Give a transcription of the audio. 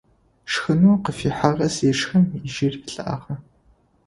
Шхынэу къыфихьыгъэр зешхым, ежьыри лӀагъэ.